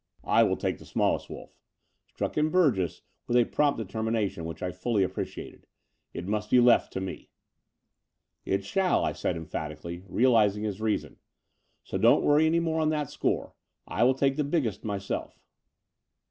"I will take the smallest wolf," struck in Burgess with a prompt determination, which I fully ap preciated. "It must be left to me." "It shall," I said emphatically, realizing his reason: "so don't worry any more on that score. I will take the biggest myself."